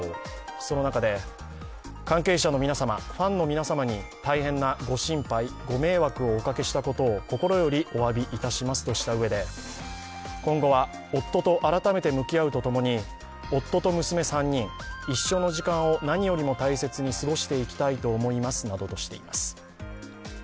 その中で、関係者の皆様、ファンの皆様に大変なご心配、ご迷惑をおかけしたことを心よりおわびいたしますとしたうえで今後は、夫と改めて向き合うとともに夫と娘３人一緒の時間をなによりも大切に過ごしていきたいと思いますなどとしています。